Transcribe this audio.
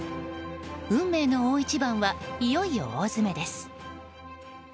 運命の大一番はいよいよ大詰めです。